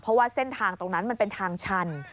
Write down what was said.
เพราะว่าเส้นทางตรงนั้นมันเป็นทางชัน